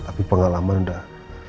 tapi pengalaman udah